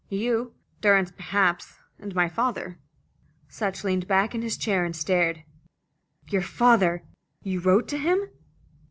"You, Durrance perhaps, and my father." Sutch leaned back in his chair and stared. "Your father! You wrote to him?"